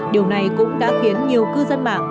điều này cũng đã khiến nhiều cư dân mạng